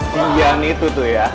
si ian itu tuh ya